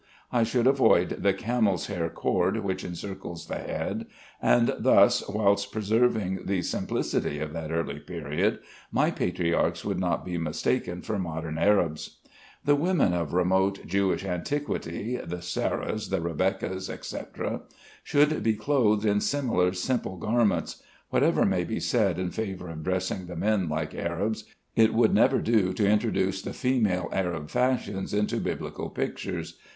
I should avoid the camel's hair cord which encircles the head, and thus, whilst preserving the simplicity of that early period, my patriarchs would not be mistaken for modern Arabs. The women of remote Jewish antiquity, the Sarahs, the Rebeccas, etc., should be clothed in similar simple garments. Whatever may be said in favor of dressing the men like Arabs, it would never do to introduce the female Arab fashions into Biblical pictures.